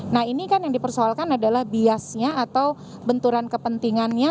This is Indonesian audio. nah ini kan yang dipersoalkan adalah biasnya atau benturan kepentingannya